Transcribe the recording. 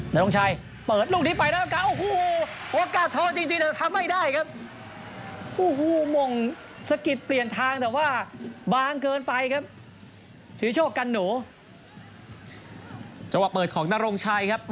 นรงชัยเปิดลูกนี้ไปแล้วโอ้ฮู